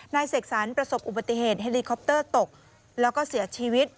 เสกสรรประสบอุบัติเหตุเฮลีคอปเตอร์ตกแล้วก็เสียชีวิต